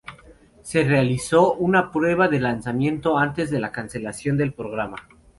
Solo se realizó una prueba de lanzamiento antes de la cancelación del programa.